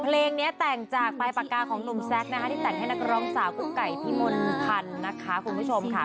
เพลงนี้แต่งจากปลายปากกาของหนุ่มแซคนะคะที่แต่งให้นักร้องสาวกุ๊กไก่พี่มนต์พันธ์นะคะคุณผู้ชมค่ะ